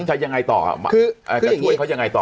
จะยังไงต่อจะช่วยเขายังไงต่อ